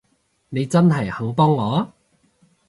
你真係肯幫我？